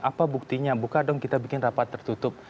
apa buktinya buka dong kita bikin rapat tertutup